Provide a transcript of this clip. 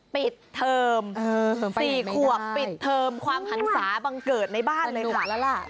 ปิดเทอม๔ขวบปิดเทอมความหันศาบังเกิดในบ้านเลยค่ะ